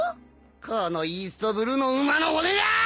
このイーストブルーの馬の骨がァ！